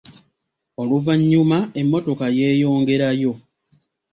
Oluvannyuma emmotoka yeeyongerayo.